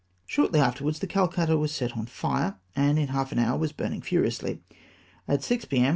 Shortly afterwards, the Calcutta was set on fire, and m half an hour was burning furiously. At 6.0 p.m.